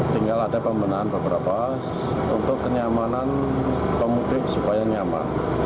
tinggal ada pembenahan beberapa untuk kenyamanan pemudik supaya nyaman